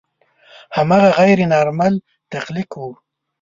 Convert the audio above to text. هماغه غیر نارمل تخلیق و.